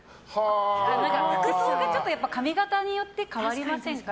服装が髪形によって変わりませんか